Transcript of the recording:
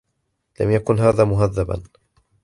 لم يكن هذا مهذبا.